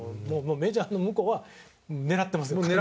もうメジャー向こうは狙ってますよ